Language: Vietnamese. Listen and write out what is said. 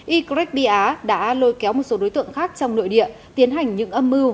y greg bia đã lôi kéo một số đối tượng khác trong nội địa tiến hành những âm mưu